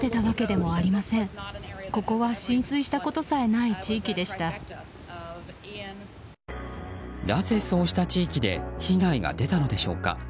なぜそうした地域で被害が出たのでしょうか。